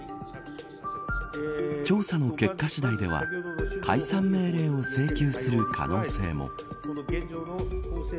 調査の結果次第では解散命令を請求する可能性も。